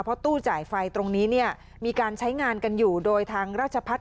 เพราะตู้จ่ายไฟตรงนี้เนี่ยมีการใช้งานกันอยู่โดยทางราชพัฒน์